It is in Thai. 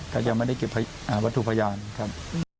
ก็ยังไม่ได้เก็บวัตถุพยานครับ